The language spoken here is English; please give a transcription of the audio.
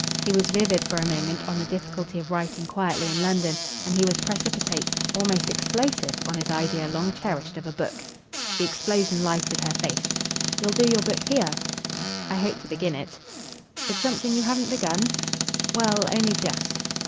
He was vivid for a moment on the difficulty of writing quietly in London; and he was precipitate, almost explosive, on his idea, long cherished, of a book. The explosion lighted her face. "You'll do your book here?" "I hope to begin it." "It's something you haven't begun?" "Well, only just."